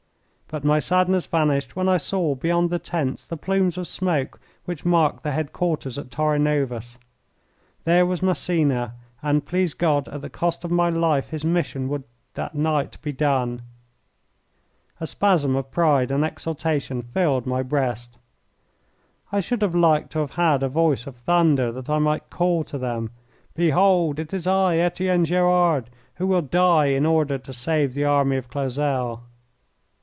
But my sadness vanished when I saw beyond the tents the plumes of smoke which marked the headquarters at Torres Novas. There was Massena, and, please God, at the cost of my life his mission would that night be done. A spasm of pride and exultation filled my breast. I should have liked to have had a voice of thunder that I might call to them, "Behold it is I, Etienne Gerard, who will die in order to save the army of Clausel!"